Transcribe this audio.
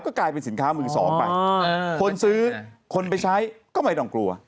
ก็กลายเป็นสินค้ามือสองไปคนซื้อคนไปใช้ก็ไม่ต้องกลัว